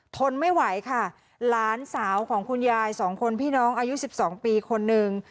ทนไม่ไหวค่ะหลานสาวของคุณยายสองคนพี่น้องอายุ๑๒ปีคนนึง